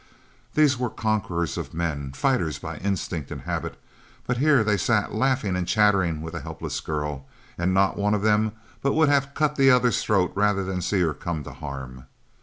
These were conquerors of men, fighters by instinct and habit, but here they sat laughing and chattering with a helpless girl, and not a one of them but would have cut the others' throats rather than see her come to harm.